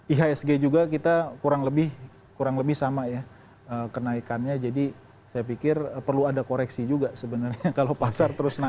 ihsg juga kita kurang lebih sama ya kenaikannya jadi saya pikir perlu ada koreksi juga sebenarnya kalau pasar terus naik